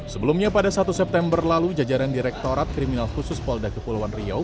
sebelumnya pada satu september lalu jajaran direktorat kriminal khusus polda kepulauan riau